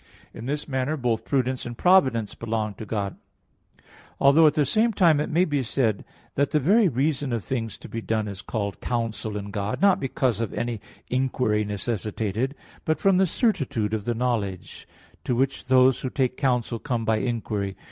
In this manner both prudence and providence belong to God. Although at the same time it may be said that the very reason of things to be done is called counsel in God; not because of any inquiry necessitated, but from the certitude of the knowledge, to which those who take counsel come by inquiry.